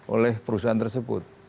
oleh perusahaan tersebut